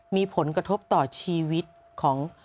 มีผลกระทบต่อชีวิตของ